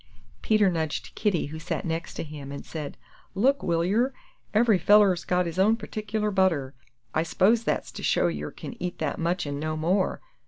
Peter nudged Kitty, who sat next him, and said, "Look, will yer, ev'ry feller's got his own partic'lar butter; I suppose that's to show yer can eat that much 'n no more.